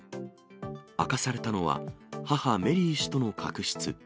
明かされたのは、母、メリー氏との確執。